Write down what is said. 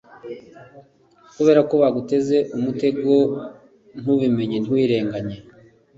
kubera ko baguteze umutego ntubimenye ntiwirenganye